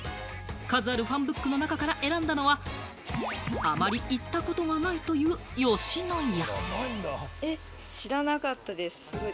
数あるファンブックの中から選んだのはあまり行ったことがないという吉野家。